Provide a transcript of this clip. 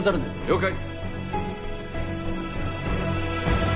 了解。